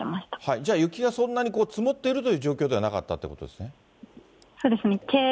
じゃあ、雪はそんなに積もっているという状況ではなかったということですそうですね。